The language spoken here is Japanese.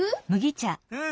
うん。